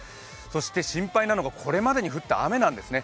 心配なのがこれまでに降った雨なんですね。